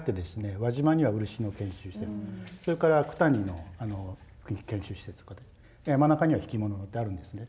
輪島には漆の研修施設それから九谷の研修施設とか山中には挽物のってあるんですね。